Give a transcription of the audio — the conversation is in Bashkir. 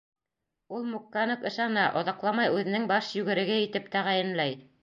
Ул Мукҡа ныҡ ышана, оҙаҡламай үҙенең баш йүгереге итеп тәғәйенләй.